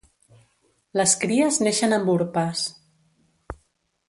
Les cries neixen amb urpes.